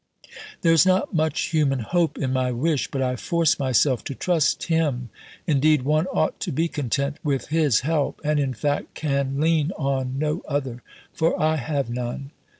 There is not much human hope in my wish, but I force myself to trust Him. Indeed one ought to be content with His help, and in fact can lean on no other, for I have none.